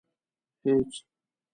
هېڅ.